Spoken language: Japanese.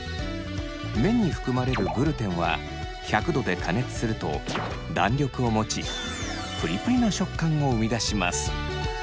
麺に含まれるグルテンは１００度で加熱すると弾力を持ちプリプリの食感を生み出します。